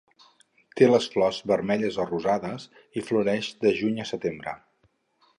Té les flors vermelles o rosades i floreix de juny a setembre.